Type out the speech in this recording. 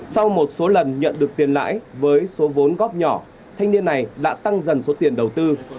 sau một số lần nhận được tiền lãi với số vốn góp nhỏ thanh niên này đã tăng dần số tiền đầu tư